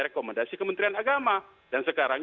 rekomendasi kementerian agama dan sekarang